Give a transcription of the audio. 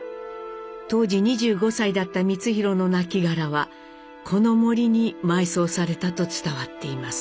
当時２５歳だった光宏のなきがらはこの森に埋葬されたと伝わっています。